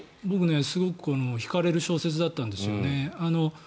僕、すごく惹かれる小説だったんですよね。